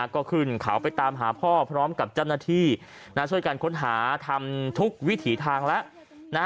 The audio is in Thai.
ก็ขึ้นเขาไปตามหาพ่อพร้อมกับเจ้าหน้าที่ช่วยกันค้นหาทำทุกวิถีทางแล้ว